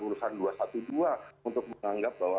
urusan dua ratus dua belas untuk menganggap bahwa